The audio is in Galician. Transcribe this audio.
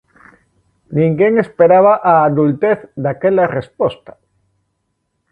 Ninguén esperaba a adultez daquela resposta.